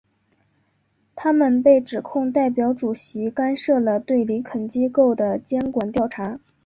他们被指控代表主席干涉了对林肯机构的监管调查。